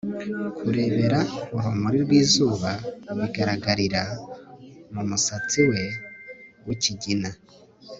Kurebera urumuri rwizuba bigaragarira mu musatsi we wikigina